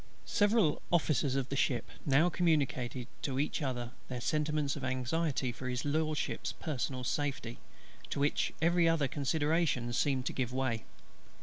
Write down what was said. Several Officers of the ship now communicated to each other their sentiments of anxiety for HIS LORDSHIP'S personal safety, to which every other consideration seemed to give way.